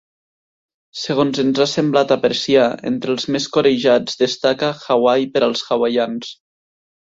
Segons ens ha semblat apreciar, entre els més corejats destaca “Hawaii per als hawaians”.